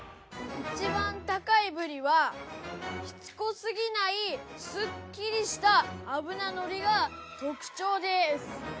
一番高いブリはしつこすぎないすっきりした脂乗りが特徴です。